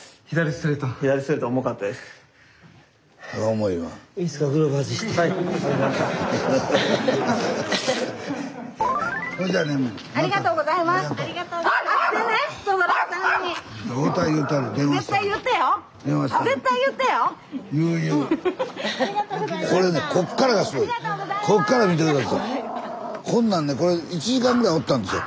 スタジオこんなんねこれ１時間ぐらいおったんですよ。